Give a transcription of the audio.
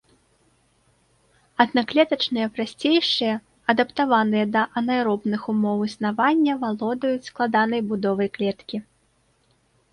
Аднаклетачныя прасцейшыя, адаптаваныя да анаэробных умоў існавання, валодаюць складанай будовай клеткі.